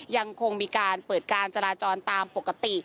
ยังคงมีการเปิดการจราจรตามปกติ